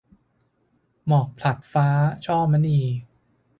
หมอกผลัดฟ้า - ช่อมณี